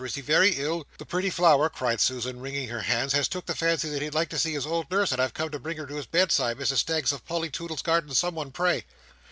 "Is he very ill?" "The pretty flower!" cried Susan, wringing her hands, "has took the fancy that he'd like to see his old nurse, and I've come to bring her to his bedside, Mrs Staggs, of Polly Toodle's Gardens, someone pray!"